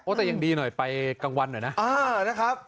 แต่ยังดีหน่อยไปกลางวันหน่อยนะนะครับ